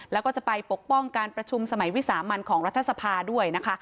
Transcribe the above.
แล้วก็จะไปปกป้องการประชุมสมัยวิสามันของรัฐสภาด้วยนะคะ